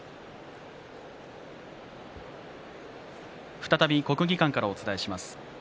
再び国技館からお伝えします。